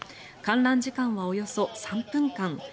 観覧時間はおよそ３分間。